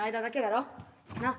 なっ。